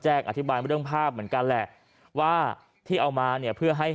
อธิบายเรื่องภาพเหมือนกันแหละว่าที่เอามาเนี่ยเพื่อให้